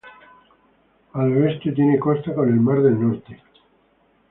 Al oeste tiene costa con el Mar del Norte.